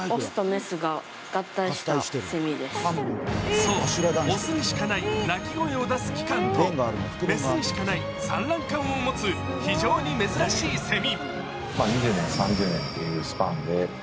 そう、雄にしかない鳴き声を出す器官と雌にしかない産卵管を持つ非常に珍しいせみ。